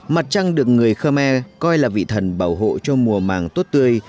mặt trăng được người khơ me coi là vị thần bảo hộ cho mùa màng tốt tươi